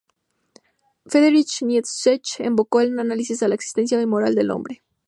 Friedrich Nietzsche, evocó su análisis a la existencia y moral del hombre.